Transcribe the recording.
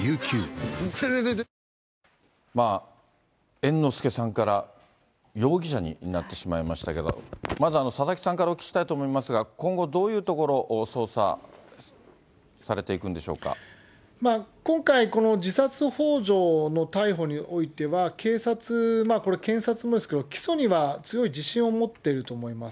猿之助さんから、容疑者になってしまいましたけど、まず佐々木さんからお聞きしたいと思いますが、今後どういうところ、今回、この自殺ほう助の逮捕においては、警察、これ検察もですけど、起訴には強い自信を持っていると思います。